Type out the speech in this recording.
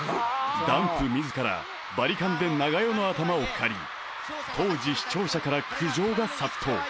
ダンプ自らバリカンで長与の頭を刈り当時視聴者から苦情が殺到